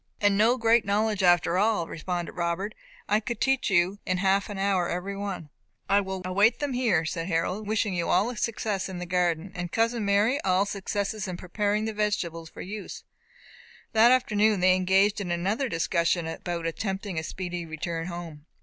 "And no great knowledge after all," responded Robert. "I could teach you in half an hour every one." "I will await them here," said Harold, "wishing you all success in visiting the garden, and cousin Mary all success in preparing the vegetables for use." That afternoon they engaged in another discussion about attempting a speedy return home.